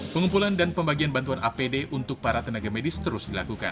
pengumpulan dan pembagian bantuan apd untuk para tenaga medis terus dilakukan